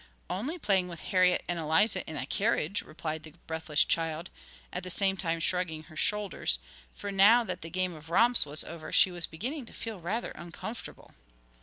'Only playing with Harriet and Eliza in the carriage,' replied the breathless child, at the same time shrugging her shoulders, for now that the game of romps was over she was beginning to feel rather uncomfortable.